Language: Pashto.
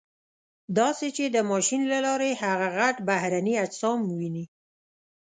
داسې چې د ماشین له لارې هغه غټ بهرني اجسام وویني.